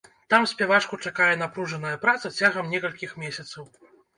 Там спявачку чакае напружаная праца цягам некалькіх месяцаў.